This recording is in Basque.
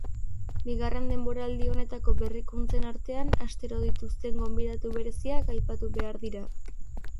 Bigarren denboraldi honetako berrikuntzen artean, astero dituzten gonbidatu bereziak aipatu behar dira.